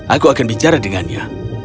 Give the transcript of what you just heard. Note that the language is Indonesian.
aku akan bicara dengannya